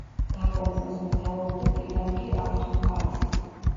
დაბომბვას მეთაურობდა ბრიტანელი ართურ ჰარისი.